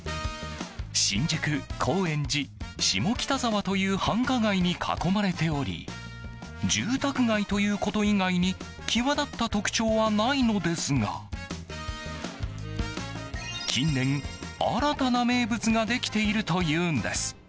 新宿、高円寺、下北沢という繁華街に囲まれており住宅街ということ以外に際立った特徴はないのですが近年、新たな名物ができているというんです。